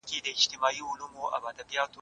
دیني ارزښتونه خلګ سره یو ځای ساتي.